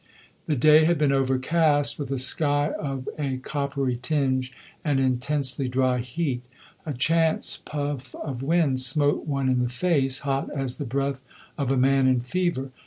The day had been overcast, with a sky of a coppery tinge, and intensely dry heat; a chance puff of wind smote one in the face, hot as the breath of a man in fever.